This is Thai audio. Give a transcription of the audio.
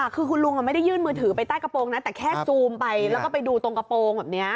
คือคุณลุงไม่ได้ยื่นมือถือไปใต้กระโปรงนะแต่แค่ซูมไปแล้วก็ไปดูตรงกระโปรงแบบนี้